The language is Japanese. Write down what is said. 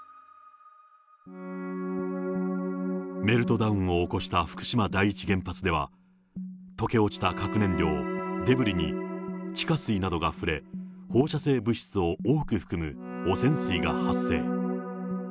メルトダウンを起こした福島第一原発では、溶け落ちた核燃料、デブリに地下水などが触れ、放射性物質を多く含む汚染水が発生。